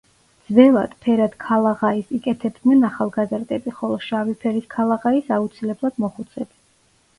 ძველად, ფერად ქალაღაის იკეთებდნენ ახალგაზრდები, ხოლო შავი ფერის ქალაღაის აუცილებლად მოხუცები.